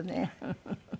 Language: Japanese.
フフフ。